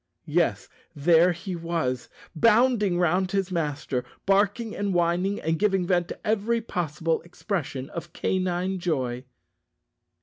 Yes, there he was, bounding round his master, barking and whining, and giving vent to every possible expression of canine joy!